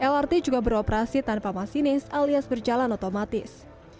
lrt juga beroperasi tanpa masinis alias berjalan otomatis